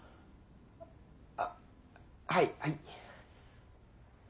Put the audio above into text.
あはいはい。